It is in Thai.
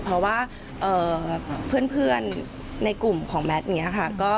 เพราะว่าเพื่อนในกลุ่มของแมทอย่างนี้ค่ะ